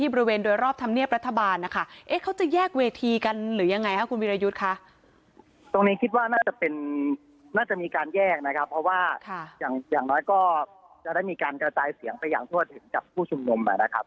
เพราะว่าอย่างน้อยก็จะได้มีการกระจายเสียงไปอย่างทั่วถึงกับผู้ชุมนม